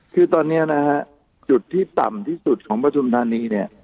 คือตอนนี้นะฮะจุดที่ต่ำที่สุดของปฐุมธานีเนี่ย